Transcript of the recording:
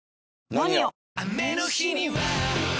「ＮＯＮＩＯ」！